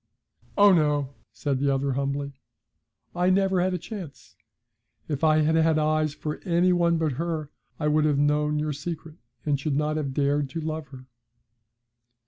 'Oh, no,' said the other humbly, 'I never had a chance. If I had had eyes for any one but her, I would have known your secret, and should not have dared to love her.'